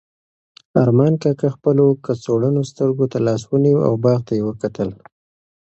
ارمان کاکا خپلو کڅوړنو سترګو ته لاس ونیو او باغ ته یې وکتل.